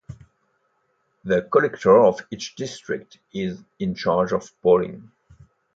The Collector of each district is in charge of polling.